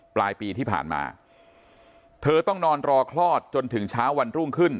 ปลายปีที่ผ่านมาเธอต้องนอนรอคลอดจนถึงเช้าวันรุ่งขึ้น